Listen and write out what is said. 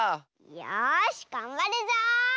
よしがんばるぞ！